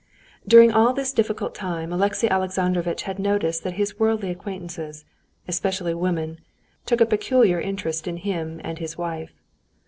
During all this difficult time Alexey Alexandrovitch had noticed that his worldly acquaintances, especially women, took a peculiar interest in him and his wife.